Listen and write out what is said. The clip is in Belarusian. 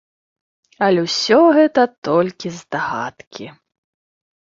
Але ўсё гэта толькі здагадкі.